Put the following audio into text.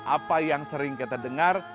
apa yang sering kita dengar